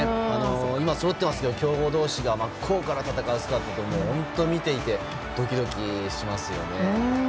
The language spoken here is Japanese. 今、そろってますけど強豪同士が真っ向から戦う姿は本当に見ていてドキドキしますよね。